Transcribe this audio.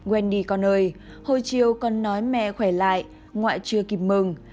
wendy con ơi hồi chiều con nói mẹ khỏe lại ngoại chưa kịp mừng